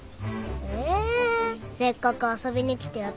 えーせっかく遊びに来てやったのに。